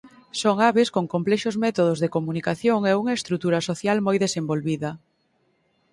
Son aves con complexos métodos de comunicación e unha estrutura social moi desenvolvida.